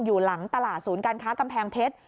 อยู่หลังตลาดศูนย์การค้ากำแพงเพชร